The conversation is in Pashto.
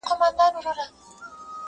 o مېړه چي مېړه وي، لور ئې چاړه وي!